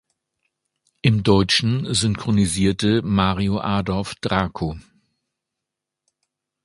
Im Deutschen synchronisierte Mario Adorf Draco.